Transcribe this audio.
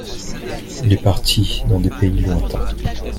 Il est parti dans des pays lointains.